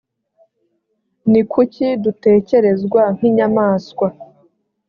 ni kuki dutekerezwa nk’inyamaswa?